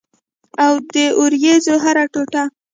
او د اوریځو هره ټوټه